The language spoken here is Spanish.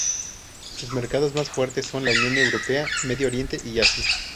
Sus mercados más fuertes son la Unión Europea, Medio Oriente y Asia.